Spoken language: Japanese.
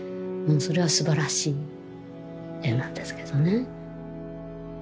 それはすばらしい絵なんですけどね。